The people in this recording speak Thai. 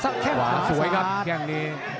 ขวาสวยครับแค่งนี้